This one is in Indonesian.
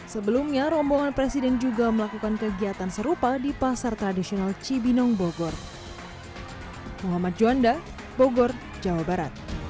sebelumnya rombongan presiden juga melakukan kegiatan serupa di pasar tradisional cibinong bogor